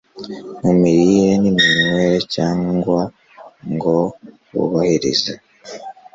mu mirire n’iminywere, cyangwa ngo bubahirize